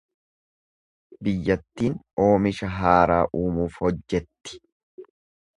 Biyyattiin oomisha haaraa uumuuf hojjetti.